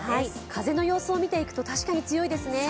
風の様子を見ていくと確かに強いですね。